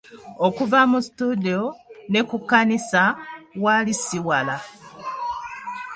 Okuva mu situdiyo, ne ku kkanisa waali ssi wala.